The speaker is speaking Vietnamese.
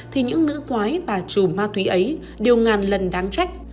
thì những nữ quái và trù ma túy ấy đều ngàn lần đáng trách